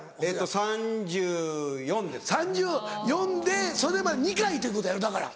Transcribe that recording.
３４歳でそれまで２回ということやろだから。